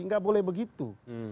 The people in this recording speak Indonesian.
tidak boleh begitu